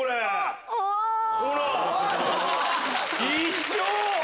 一緒！